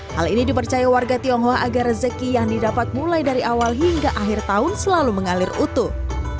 hal ini dipercaya warga tionghoa agar rezeki yang didapat mulai dari awal hingga akhir tahun selalu mengalir utuh